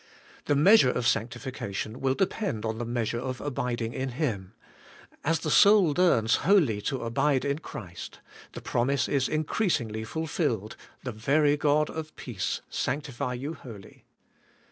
The measure of sancti fication will depend on the measure of abiding in Him; as the soul learns wholly to abide in Christ, the promise is increasingly fulfilled: 'The very God of peace sanctify you wholly.'